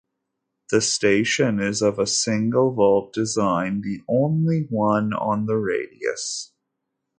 The station is of a single vault design, the only one on the radius.